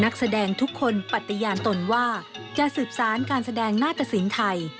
นักแสดงทุกคนปฏิญาณตนว่าจะสืบสารการแสดงหน้าตะสินไทย